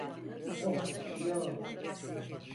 Oh, yo.